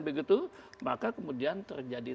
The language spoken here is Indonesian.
begitu maka kemudian terjadi